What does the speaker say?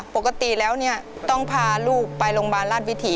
ปกติแล้วเนี่ยต้องพาลูกไปโรงพยาบาลราชวิถี